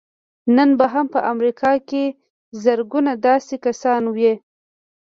نن به هم په امريکا کې زرګونه داسې کسان وي.